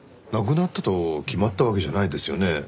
亡くなったと決まったわけじゃないですよね？